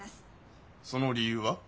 その理由は？